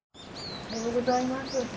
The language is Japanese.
おはようございます。